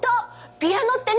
ピアノってね